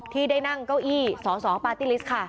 ที่ได้นั่งเก้าอี้สสปาร์ตี้ลิสต์ค่ะ